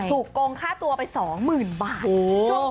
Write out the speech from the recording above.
ถูกโกงค่าตัวไปสองหมื่นบาท